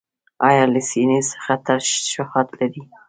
ایا له سینې څخه ترشحات لرئ؟